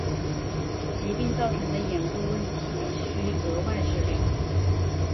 疾病造成的眼部问题需额外治疗。